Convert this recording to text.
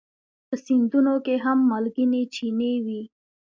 په سیندونو کې هم مالګینې چینې وي.